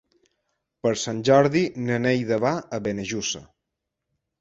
Per Sant Jordi na Neida va a Benejússer.